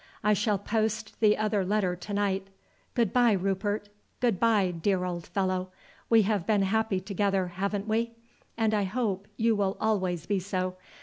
I shall post the other letter to night. Good bye, Rupert! Good bye, dear old fellow! We have been happy together, haven't we? and I hope you will always be so.